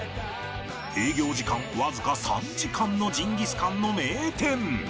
営業時間わずか３時間のジンギスカンの名店